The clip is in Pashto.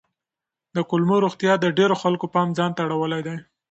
د کولمو روغتیا د ډېرو خلکو پام ځان ته اړولی دی.